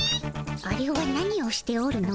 あれは何をしておるのじゃ？